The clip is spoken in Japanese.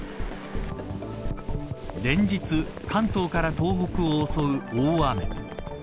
連日、関東から東北を襲う大雨。